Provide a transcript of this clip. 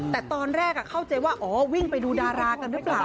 แต่ตอนแรกเข้าใจว่าอ๋อวิ่งไปดูดารากันหรือเปล่า